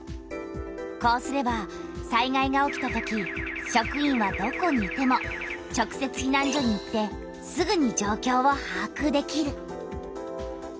こうすれば災害が起きたとき職員はどこにいても直せつひなん所に行ってすぐに状況をはあくできる。